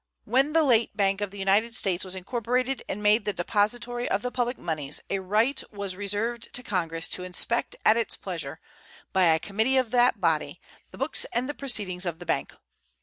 When the late Bank of the United States was incorporated and made the depository of the public moneys, a right was reserved to Congress to inspect at its pleasure, by a committee of that body, the books and the proceedings of the bank.